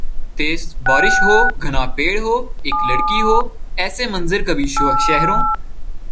تیز بارش ہو گھنا پیڑ ہو اِک لڑکی ہوایسے منظر کبھی شہروں